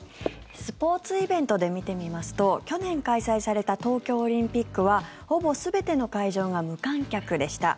スポーツイベントで見てみますと去年開催された東京オリンピックはほぼ全ての会場が無観客でした。